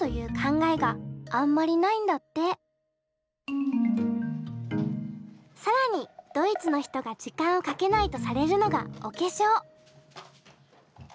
日本のように更にドイツの人が時間をかけないとされるのがお化粧。